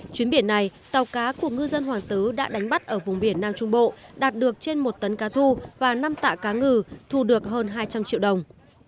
chuyến biển này tàu cá của ngư dân hoàng tứ đã đánh bắt ở vùng biển nam trung bộ đạt được trên một tấn cá thu và năm tạ cá ngừ thu được hơn hai trăm linh triệu đồng